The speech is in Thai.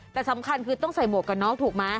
แต่สำคัญคือต้องใส่หมวกกันน็อกถูกไหม